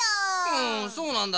うんそうなんだ。